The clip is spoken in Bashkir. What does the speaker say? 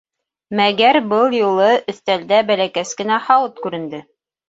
Мәгәр был юлы өҫтәлдә бәләкәс кенә һауыт күренде.